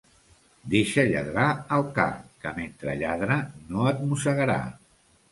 Deixa lladrar al ca, que mentre lladra no et mossegarà.